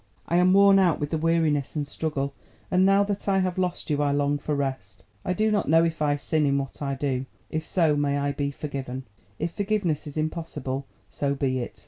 I am worn out with the weariness and struggle, and now that I have lost you I long for rest. I do not know if I sin in what I do; if so, may I be forgiven. If forgiveness is impossible, so be it!